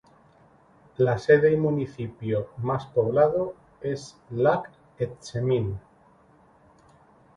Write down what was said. La sede y municipio más poblado es Lac-Etchemin.